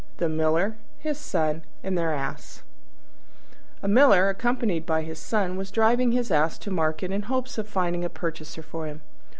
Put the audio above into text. THE MILLER, HIS SON, AND THEIR ASS A Miller, accompanied by his young Son, was driving his Ass to market in hopes of finding a purchaser for him.